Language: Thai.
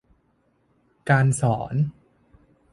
การสอน